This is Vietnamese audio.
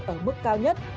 ở mức cao nhất